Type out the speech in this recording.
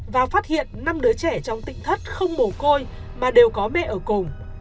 và phát hiện năm đứa trẻ trong tịnh thất không bổ côi mà đều có mẹ ở cùng